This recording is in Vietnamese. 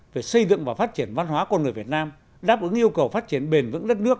về xây dựng và phát triển văn hóa con người việt nam đáp ứng yêu cầu phát triển bền vững đất nước